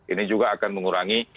ini juga akan mengurangi